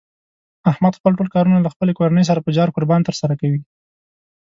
احمد خپل ټول کارونه له خپلې کورنۍ سره په جار قربان تر سره کوي.